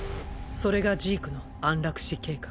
それがジークの「安楽死計画」。